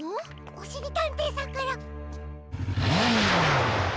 おしりたんていさんから。